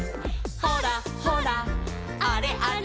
「ほらほらあれあれ」